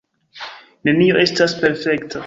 Nenio estas perfekta.